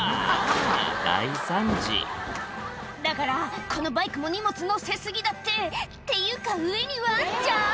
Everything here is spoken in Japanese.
大惨事だからこのバイクも荷物載せ過ぎだってっていうか上にワンちゃん？